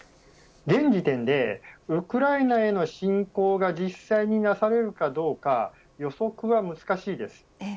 現時点でウクライナへの侵攻が実際になされるかどうか予測は難しいです。